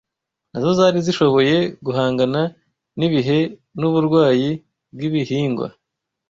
nazo zari zishoboye guhangana n’ibihe n’uburwayi bw’ibihingwa